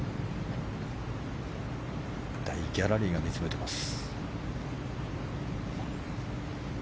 大ギャラリーが見つめています。